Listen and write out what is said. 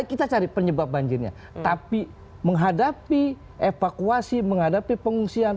kita cari penyebab banjirnya tapi menghadapi evakuasi menghadapi pengungsian